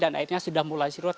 dan akhirnya sudah mulai serut